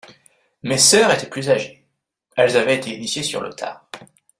Mes sœurs étaient plus âgées. Elles avaient été initiées sur le tard